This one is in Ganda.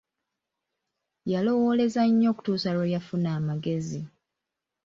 Yalowoolereza nnyo okutuusa Iwe yafuna amagezi.